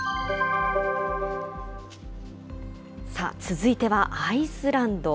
続いては、アイスランド。